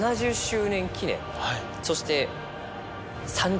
そして。